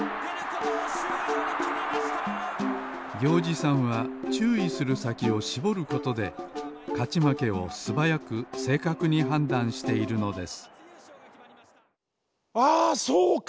ぎょうじさんはちゅういするさきをしぼることでかちまけをすばやくせいかくにはんだんしているのですああそうか！